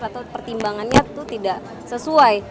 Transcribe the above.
atau pertimbangannya itu tidak sesuai